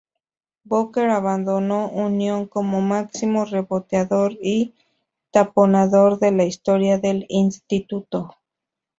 Booker abandonó Union como máximo reboteador y taponador de la historia del instituto.